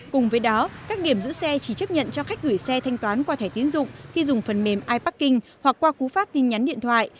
cùng với đó các điểm giữ xe chỉ chấp nhận cho khách gửi xe thanh toán qua thẻ tiến dụng khi dùng phần mềm iparking hoặc qua cú pháp tin nhắn điện thoại